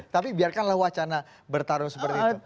tapi biarkanlah wacana bertaruh seperti itu